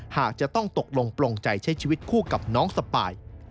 หากจะต้องตกลงปลงใจใช้ชีวิตคู่กับน้องสปาย